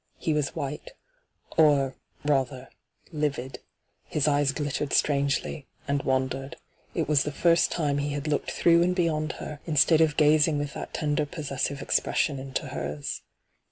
He was white— or, rather, livid. His eyes glittered strangely, and wandered. It was the first hyGoogIc ENTRAPPED 17 time he had looked through and beyond her, instead of gazing with that tender possessivs expression into hers.